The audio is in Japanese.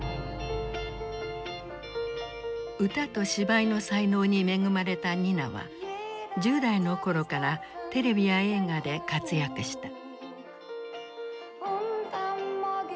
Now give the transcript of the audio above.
歌と芝居の才能に恵まれたニナは１０代の頃からテレビや映画で活躍した。